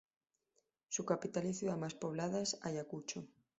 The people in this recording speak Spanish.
Su capital y ciudad más poblada es Ayacucho.